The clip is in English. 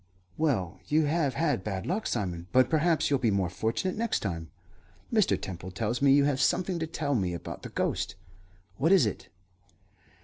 "Well, you have had bad luck, Simon; but perhaps you'll be more fortunate next time. Mr. Temple tells me you have something to tell me about the ghost. What is it?"